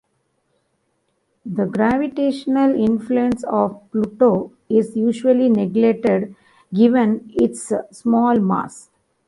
The gravitational influence of Pluto is usually neglected given its small mass.